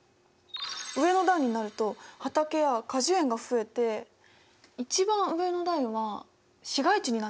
上の段になると畑や果樹園が増えて一番上の段は市街地になってます。